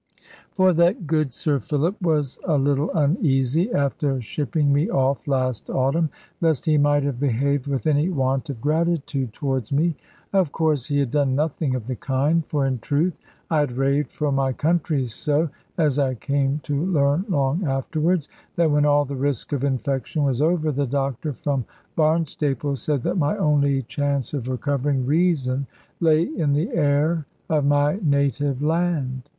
For that good Sir Philip was a little uneasy, after shipping me off last autumn, lest he might have behaved with any want of gratitude towards me. Of course he had done nothing of the kind; for in truth I had raved for my country so as I came to learn long afterwards that when all the risk of infection was over, the doctor from Barnstaple said that my only chance of recovering reason lay in the air of my native land.